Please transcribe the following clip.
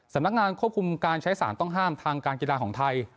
สำนักงานควบคุมการใช้สารต้องห้ามทางการกีฬาของไทย